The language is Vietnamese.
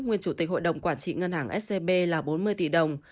nguyên chủ tịch hội đồng quản trị ngân hàng scb là bốn mươi tỷ đồng